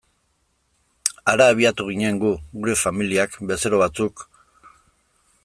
Hara abiatu ginen gu, gure familiak, bezero batzuk...